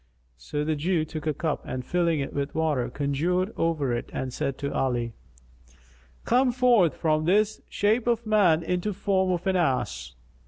So the Jew took a cup and filling it with water, conjured over it and said to Ali, "Come forth from this shape of a man into the form of an ass."